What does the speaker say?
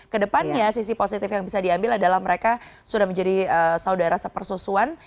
kedepannya sisi positif yang bisa diambil adalah mereka sudah menjadi saudara sepersusuan